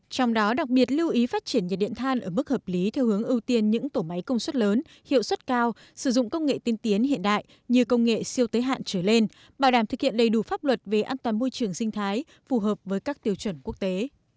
sử dụng công nghệ tiên tiến hiện đại như công nghệ siêu tế hạn trở lên bảo đảm thực hiện đầy đủ pháp luật về an toàn môi trường sinh thái phù hợp với các tiêu chuẩn quốc tế